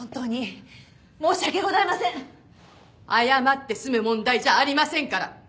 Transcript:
謝って済む問題じゃありませんから。